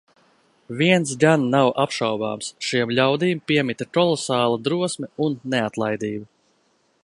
Viens gan nav apšaubāms - šiem ļaudīm piemita kolosāla drosme un neatlaidība.